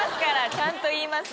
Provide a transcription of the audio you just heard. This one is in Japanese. ちゃんと言います。